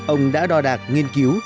ông đã đòi đạt nghiên cứu